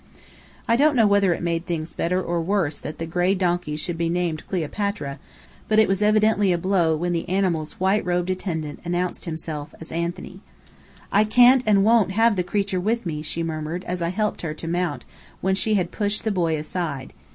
I don't know whether it made things better or worse that the gray donkey should be named "Cleopatra," but it was evidently a blow when the animal's white robed attendant announced himself as Anthony. "I can't and won't have the creature with me!" she murmured, as I helped her to mount when she had pushed the boy aside.